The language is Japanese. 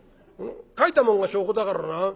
書いたもんが証拠だからな。